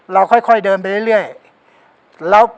เราค่อยค่อยเดิมไปเรื่อยเรื่อยแล้ว